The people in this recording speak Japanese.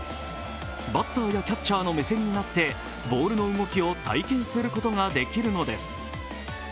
バッターやキャッチャーの目線になってボールの動きを体験することができるのです。